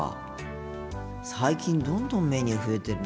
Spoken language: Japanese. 最近どんどんメニュー増えてるなあ。